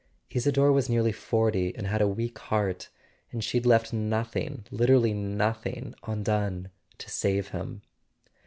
"Isador was nearly forty, and had a weak heart; and she'd left nothing, literally nothing, undone to save him."